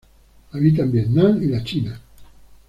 Habita en Vietnam y la China.